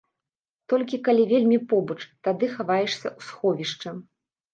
Толькі калі вельмі побач, тады хаваешся ў сховішча.